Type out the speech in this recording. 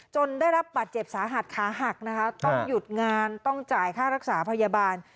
ได้รับบาดเจ็บสาหัสขาหักนะคะต้องหยุดงานต้องจ่ายค่ารักษาพยาบาล